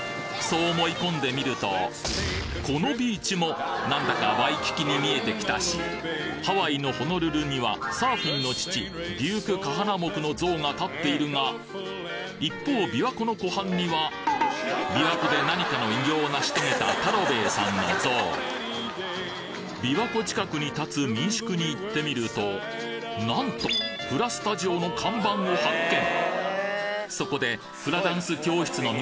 そう思い込んでみるとこのビーチも何だかワイキキに見えてきたしハワイのホノルルにはサーフィンの父デューク・カハナモクの像が立っているが一方琵琶湖の湖畔には琵琶湖で何かの偉業を成し遂げた太郎兵衛さんの像琵琶湖近くに立つ民宿に行ってみるとなんとフラスタジオの看板を発見！